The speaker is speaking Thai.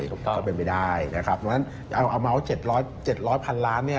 ก็เป็นไปได้นะครับดังนั้นอัมเมาส์๗๐๐พันล้าน